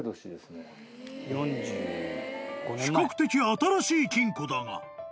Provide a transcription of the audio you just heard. ［比較的新しい金庫だが］